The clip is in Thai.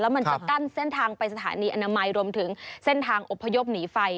มันจะกั้นเส้นทางไปสถานีอนามัยรวมถึงเส้นทางอบพยพหนีไฟ